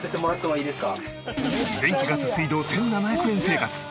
電気ガス水道１７００円生活。